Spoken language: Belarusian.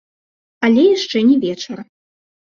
Але яшчэ не вечар.